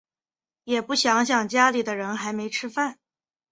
也不想想家里的人还没吃饭